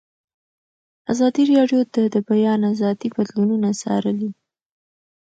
ازادي راډیو د د بیان آزادي بدلونونه څارلي.